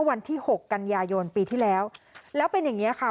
วันที่หกกันยายนปีที่แล้วแล้วเป็นอย่างเงี้ค่ะ